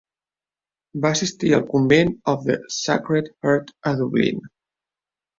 Va assistir al Convent of the Sacred Heart a Dublín.